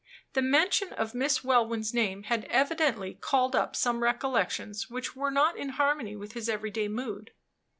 The mention of Miss Welwyn's name had evidently called up some recollections which were not in harmony with his every day mood.